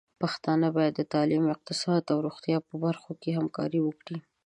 پښتانه بايد د تعليم، اقتصاد او روغتيا په برخو کې همکاري وکړي.